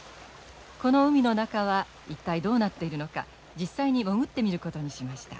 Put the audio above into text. この海の中は一体どうなっているのか実際に潜ってみることにしました。